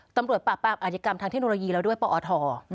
ตำรวจปราบปรามอาธิกรรมทางเทคโนโลยีแล้วด้วยปอท